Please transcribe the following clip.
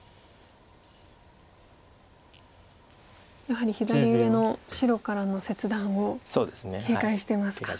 やはり左上の白からの切断を警戒してますか。